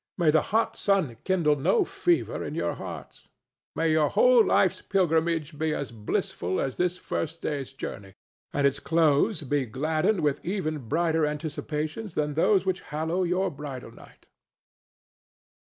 May the hot sun kindle no fever in your hearts! May your whole life's pilgrimage be as blissful as this first day's journey, and its close be gladdened with even brighter anticipations than those which hallow your bridal night!